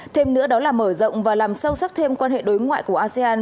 thêm nữa đó là mở rộng và làm sâu sắc thêm quan hệ đối ngoại của asean